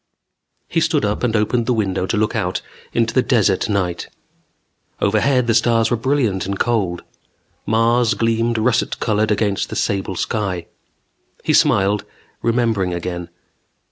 He stood up and opened the window to look out into the desert night. Overhead the stars were brilliant and cold. Mars gleamed russet colored against the sable sky. He smiled, remembering again.